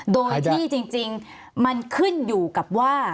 โดยที่จริงมันขึ้นอยู่กับว่า